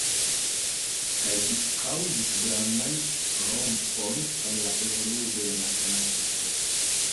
Kaj ĝi kaŭzis grandan rompon en la evoluo de matematiko.